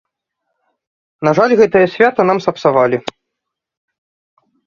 На жаль, гэтае свята нам сапсавалі.